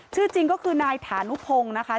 ชื่อจริงก็คือนายฐานุพงศ์นะคะ